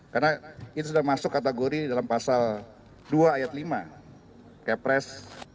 karena itu sudah masuk kategori dalam pasal dua ayat lima kepres enam puluh tiga dua ribu empat